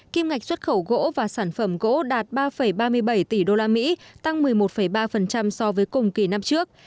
kim ngạch xuất khẩu gỗ và sản phẩm gỗ đạt ba ba mươi bảy tỷ usd tăng một mươi một ba so với cùng kỳ năm trước